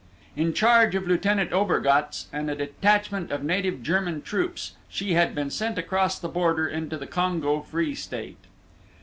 In charge of Lieutenant Obergatz and a detachment of native German troops she had been sent across the border into the Congo Free State.